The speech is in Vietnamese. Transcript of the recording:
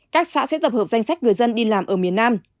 các xã sẽ tập hợp danh sách người dân đi làm ở miền nam